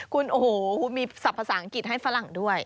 คุณโอ้โหมีสรรพภาษาอังกฤษให้ฝรั่งด้วย